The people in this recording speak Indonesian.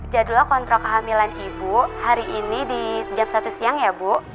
jadwal kontrol kehamilan ibu hari ini di jam satu siang ya bu